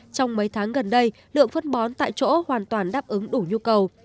trong mấy tháng gần đây lượng phân bón tại chỗ hoàn toàn đáp ứng đủ nhu cầu